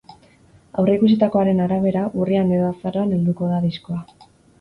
Aurreikusitakoaren arabera, urrian edo azaroan helduko da diskoa.